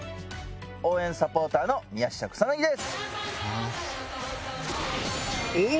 応援サポーターの宮下草薙です。